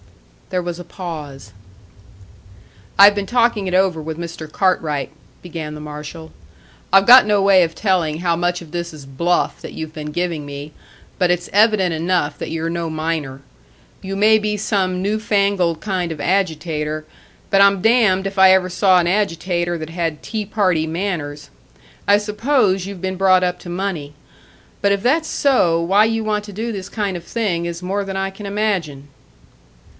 There was a pause. "I've been talking it over with Mr. Cartwright," began the marshal. "I've got no way of telling how much of this is bluff that you've been giving me, but it's evident enough that you're no miner. You may be some newfangled kind of agitator, but I'm damned if I ever saw an agitator that had tea party manners. I suppose you've been brought up to money; but if that's so, why you want to do this kind of thing is more than I can imagine."